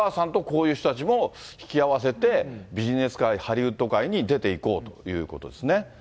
だからお母さんとこういう人たちも引きあわせて、ビジネス界、ハリウッド界に出ていこうということですね。